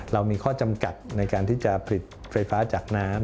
เรามีข้อจำกัดในการที่จะผลิตไฟฟ้าจากน้ำ